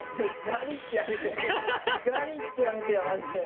ガリッてやめてよマジで。